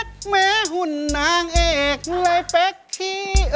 เข้าใจ